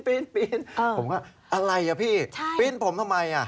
ผมก็อะไรอ่ะพี่ปีนผมทำไมอ่ะ